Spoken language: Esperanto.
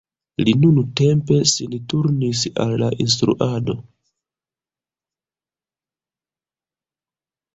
Li nuntempe sin turnis al la instruado.